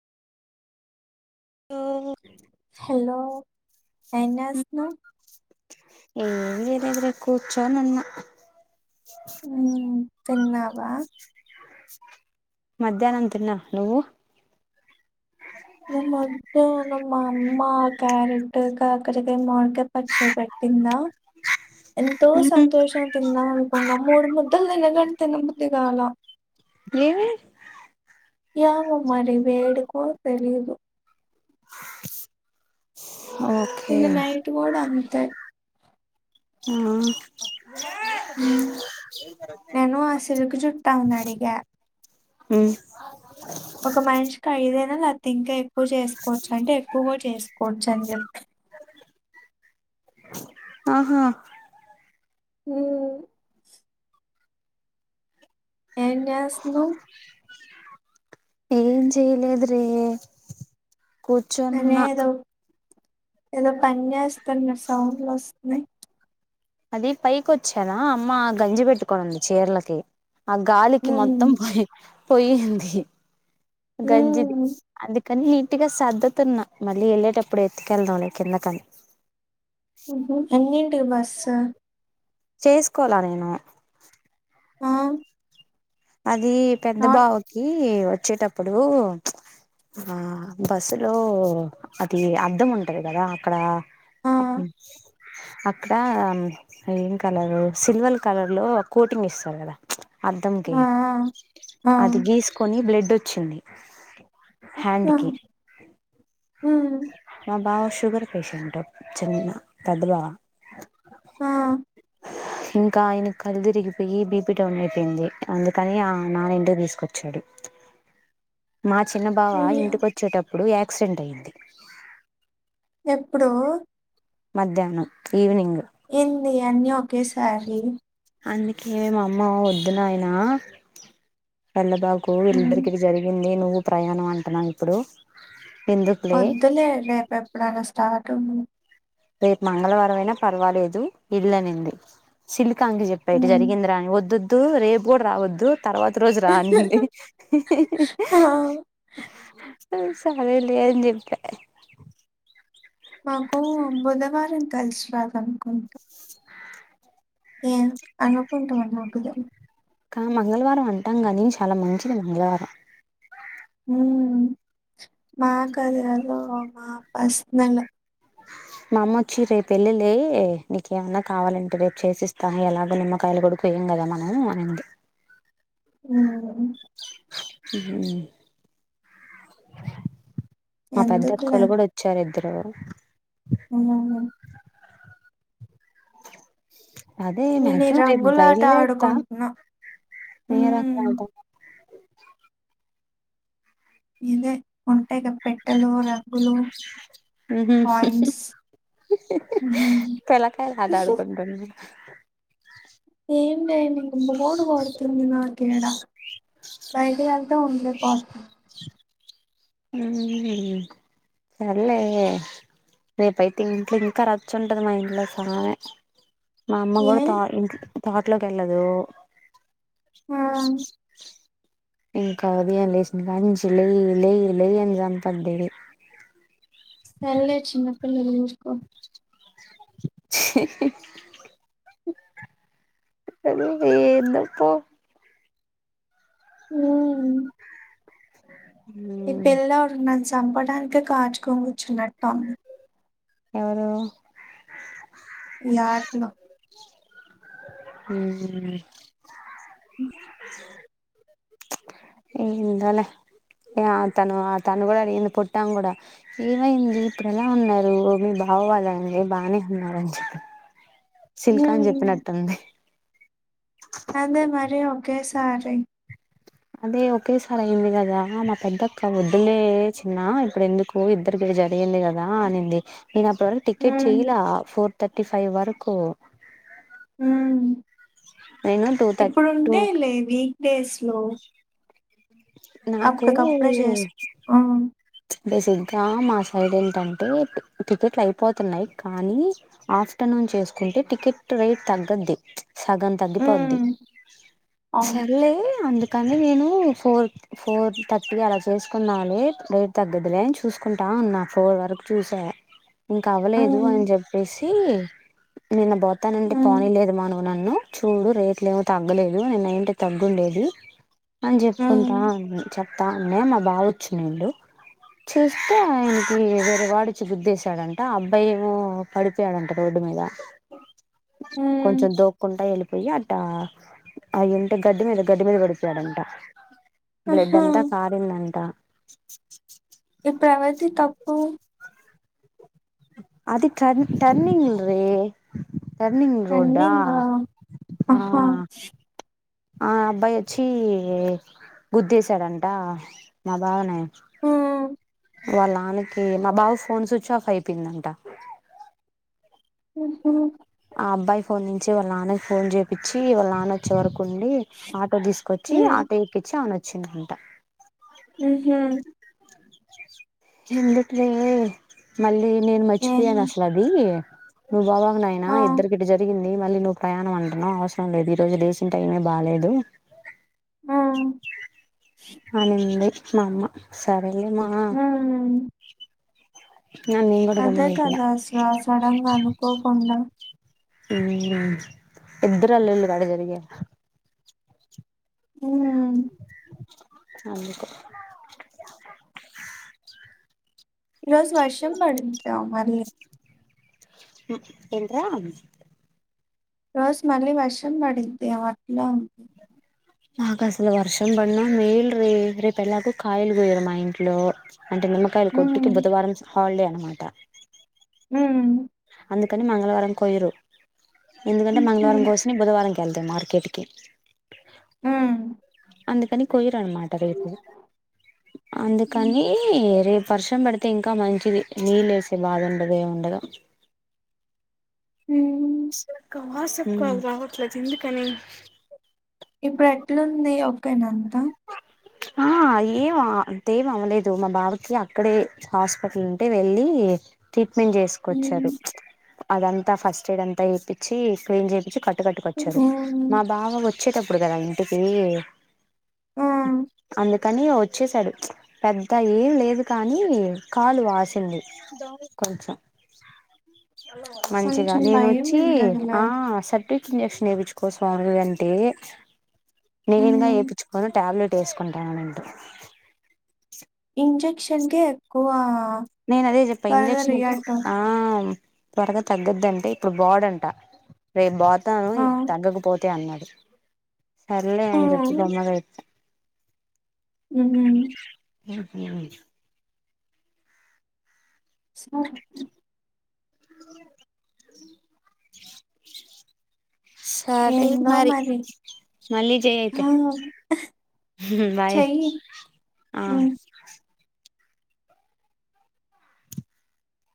Hello ఏం చేస్తున్నావ్ ఏం లేదురా కూర్చుని ఉన్న తిన్నావా మధ్యాహ్నం తిన్నా నువ్వు మధ్యాహ్నం మా అమ్మ క్యారెట్ కాకరకాయ మామిడికాయ పచ్చడి పెట్టి ట్టిందా ఎంతో సంతోషంగా తిందాం అనుకున్నా మూడు ముద్దలు తినగానే తినబుద్ధి కాలా ఏమి ఏమో మరి వేడికో తెలీదు ఓకే నిన్న ఆ నైట్ కూడా అంతే నేను ఆ సిల్క్ జుట్టామెనీ అడిగా హమ్ ఒక మనిషికి ఐదేనా లేపోతే ఇంకేం ఎక్కువ చేసుకోవచ్చా అంటే ఎక్కువకూడ చేసుకోవచ్చు అని చె ఆహా అ ఏం చేస్తున్నావ్ ఏం చేయలేదురా అనే కూర్చోనున్న ఏదో ఏదో పని చేస్తున్నట్టు సౌండ్లు వస్తున్నయి అది పైకొచ్చానా అమ్మ గంజి పెట్టుకొనింది చీరలకి ఆ గాలికి మొత్తం హ్మ్. పోయి పోయింది గంజిది హ్మ్. అందు కనీ నీట్గా సర్ద్దతున్నా మళ్ళీ వెళ్ళేటప్పుడు ఉత్తి ఉతికెళ్దాం లే కిందకని ఉహు ఎన్నింటికి బస్సు చేసుకోలా నేను ఆ అది పెద్ద నాట్ బావకి వచ్చేటప్పుడు ప్చ్ ఆ బస్సులో అది అద్దం ఉంటది కదా అక్కడ ఆ! ఆపటి నుంచి అక్కడ ఏం కలరు సిల్వర్ కలర్ లోఒక కోటింగ్ ఇస్తారు కదా అద్దం కి ఆ! ఆ! అది గీసుకొని బ్లడ్ వచ్చింది హ్యాండ్ ఆ! కి హ్మ్. మా బావ షుగర్ పేషెంట్ చిన్న దెబ్బలా ఆ ఇంకా ఆయన కి కళ్ళ తిరిగిపోయి బీపీ డౌన్ అయిపోయింది అందుకని నాన ఆ ఇంటికి తీసుకొచ్చారు అ మా చిన్న బావ అయ్యో! ఇంటికి వచ్చేటప్పుడు యాక్సిడెంట్ అయ్యింది ఎప్పుడూ మధ్యాహ్నం ఈవినింగ్ ఏంది అన్నీ ఒకేసారి అందుకే మా అమ్మ వద్దున ఆయన ఎల్ల బాగు కు హ్మ్. ఇద్దరికి జరిగింది నువ్వు ప్రయాణం అంటున్నావు ఇప్పుడు ఎందుకులే వద్దులే రేపు ఎప్పుడైనా స్టార్ట్ అ ను రేపు మంగళవారం అయినా పర్వాలేదు వెల్లనింది సిల్ ఇంటి కి చెప్పా ఇట్ట హ్మ్. జరిగింది రాఅని వద్దొద్దు రేపు కూడా రావద్దు తర్వాత రోజు రా అనిందిడి ఆ! సరేలే అని చెప్పా మాకు బుధవారం కలిసి రాదునుకుంటా ఏం అనుకుంట మరి నాకూ తెల్ కా మంగళవారం అంటాం కానీ చాలా మంచిది మంగళవారం మ్ మా కాదిలో మా పర్స్ నల్ మా అమ్మ వచ్చి రేపు ఎల్లులే నీకేమన్నా కావాలంటే రేపు చేసిస్తాను ఎలాగో నిమ్మకాయల కొడుకు ఏం ఎల్లమనూ అనింది మ్ మ్ మా ఎందుకులే పెద్దక్కోళ్లు కూడా వచ్చారు ఇద్దరు మ్ అదే నేను ఈ మధ్యాహ్నమైంది రంగులాట బయల్దేరతా ఆడుకుంటున్నా నేర హ్మ్. [unintelligible] ఇదే ఉంటాయిగా పెట్టలు రగ్గులు మ్ హు హ్మ్. తల కాయ లాట ఆడుకుంటుంది ఏం చేయను ఇంక బోర్ కొడుతుంది నాకు ఎండ బయటకెల్తె ఉండలేకపోతనం మ్.. ఉమ్.. సర్లే రేపైయితే ఇంట్లో ఇంకా రచ్చుంటది మా ఇంట్లొ సామి మా అమ్మ ఏ కూడా త ఇంట్ల తోటలోకి వెళ్ళదు ఆ ఇంక ఉదయం లేసినకాడ్నించి లేయ్ లేయ్ లేయ్ అని సంపద్ది సర్లె‌ చిన్న పిల్లవి ఊరుకో సరిపోయింద పొ మ్ ఈ పిల్లోడు నన్ను చంపడానికే కాచుకొని కూర్చున్నట్టుంది ఎవరు ఈ ఆటలో ఊ ఉ ఎందోలే ఏ తను ఆ తను కూడా అడిగింది పొట్ట ఆమె కూడా ఏమైంది ఇప్పుడు ఎలా ఉన్నారు మీ బా అవ్వాలండి బానే ఉన్నారని చెప్ప సిల్కా అని హ్మ్. చెప్పినట్టుంది అదే మరి ఒకేసారి అదే ఒకేసారి అయింది కదా మా పెద్దక్క వద్దులే చిన్న ఇప్పుడు ఎందుకు ఇద్దరికి జరిగింది కదా అనింది నేను అప్పుడు వరకు టికెట్ హ్మ్. చేయలా ఫోర్ తథర్టీ ఫైవ్ వరకు ఊ నేను టూ థర్ ఇప్పుడు టూ ఉంటాయ్ లే వీక్డేస్ లో నాకు అప్పుకప్పుడే చేసుకొం బేసిక్గా మా సైడ్ ఏంటంటే టికెట్లు అయిపోతున్నాయి కానీ ఆఫ్టర్నూన్ చేసుకుంటే టికెట్ రేట్ తగ్గుద్ది సగం తగ్గిపోద్ది హ్మ్. అవును. సర్లే అందుకు కానీ నేను ఫోర్ ఫోర్ థర్టీ అలా చేసుకున్నా లే లేట్ తగ్గదులేని చూసుకుంటా ఉన్న ఫోర్ వరకు చూసా ఇంక అవ్వలేదు హ్మ్. అని చెప్పేసి తీ నిన్న పోతానంటే పోనీ హ్మ్. లేదు మన నన్ను చూడు రేట్లు ఏమో తగ్గలేదు నీన్న అయ్యుంటే తగ్గుండేది అని హ్మ్. చెప్పుకుంటా ఉన్నా చెప్తా అన్నా మా బావ వచ్చినాడు చూస్తే ఆయనకి వేరే వాడు వచ్చి గుద్దేశాడంట అబ్బాయి ఏమో పడిపోయాడంట రోడ్డు మీద హ్మ్. కొంచెం దోక్కుంటా వెళ్ళిపోయి అటి ఆ అయ్యుంటే గడ్డి మీద గడ్డి మీద పడిపోయాడంట బ్లెడ్ ఆహా! అంతా కారింది అంట ఇప్పుడు ఎవరిది తప్పు అది టర్ టర్నింగ్ రే టర్నింగ్ రోడ్ ఆ రన్నింగా? ఆహా! ఆ అబ్బాయి వచ్చి గుద్దేశాడంట మా బావనీ హ్మ్. వాళ్ళ నాన్నకి మా బావ ఫోన్ స్విచ్ ఆఫ్ అయిపోయిందంట ఉహు ఆ అబ్బాయి ఫోన్ నుంచి వాళ్ళ ఆన్నకి ఫోన్ చేయించి వాళ్ళ ఆన్న వచ్చే వరకు ఉండి ఆటో తీసుకొచ్చి హ్మ్. ఆటో ఎక్కిచ్చి ఆమె వచ్చిందంట ఉహు ఎందుకలే మళ్ళీ నేను మర్చిపోయాను ఏహ్! అసలు అది నువ్వు పోవాకు నాయనా ఆ! ఇద్దరికి ఇట్ల జరిగింది మళ్ళీ నువ్వు ప్రయాణం అంటున్నావ్ అవసరం లేదు ఈ రోజు లేసిన టైమే బాలేదు ఊ అనింది మా అమ్మ సరేలే మా హ్మ్. అని నేను కూడా అదే గమ్మున అయిపోయా కదా అసలు సడంగా అనుకోకుండా ఉ ఇద్దరు అల్లుళ్లకి అదే జరిగి ఊ అందుకు ఈ రోజు వర్షం పడిందా మళ్ళీ అ ఎంటిరా రోజు మళ్ళీ వర్షం పడింది ఏం అట్లా మాకు అసలు వర్షం బడిన మేల్ రీ రేపు ఎలాగూ కాయలు గోయరు మా ఇంట్లో అంటే నిమ్మకాయలు కొట్టుకి హ్మ్. బుధవారం హాలిడే అన్నమాట హామ్ అందుకని మంగళవారం పోయరు ఎందుకంటే మంగళవారం హ్మ్. కోసినై బుధవారంకి ఎల్తాయి మార్కెట్ కి ఉ అందుకని కోయర్అన్నమాట రేపు అందుకని రేపు వర్షం పడితే ఇంకా మంచిది నీళ్లేసే బాధ ఉండదు ఏం ఉండ [unintelligible] హ్మ్. అసలు కాల్ సక్కగా రావట్లేదు ఎందుకని ఇప్పుడు ఎట్లుంది ఓకేనా అంతా ఆ ఏం అంతేం అవ్వలేదు మా బాబకి అక్కడే హాస్పిటల్ ఉంటే వెళ్ళి [unintelligible] క్లీన్ చేసుకొచ్చారు హ్మ్. అదంతా ఫస్ట్ ఎయిడ్ అంతా చేపిచ్చి క్లీన్ చేపిచ్చి కట్టు కట్టుకొచ్చారు మా హ్మ్. బావ వచ్చేటప్పుడు కదా ఇంటికి ఆ కానీ వచ్చసాడు పెద్ద ఏం లేదు కానీ కాలు వాసింది కొంచం [inaudible] మంచిగా కొంచెం భయం నేనొచ్చి ఉంటదిలే. ఆ అస ఇంజక్షన్ వేయించుకో స్వామి అంటే నేన్ద హ్మ్. వేపిచ్చుకోను టాబ్లెట్ వేసుకుంటానంటూ ఇంజక్షన్ కే ఎక్కువ నేను అదే చెప్ప త్వరగా ఇంజెక్షన్కి రియాక్ట్ అవు ఆ త్వరగా తగ్గుదంటే ఇప్పుడు బోడుఅంట రేపు బోతాను ఆ! తగ్గకపో అన్నాడు సర్లే అని చెప్పే హ్మ్. గమ్మున ఉమ్ ఉ స్కూలుకు [inaudible] సరే మరి మళ్ళీ జై ఆ! అయితే బాయ్ చెయ్యి. ఆ హ్మ్.